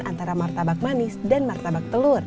antara martabak yang berbeda dengan martabak yang lain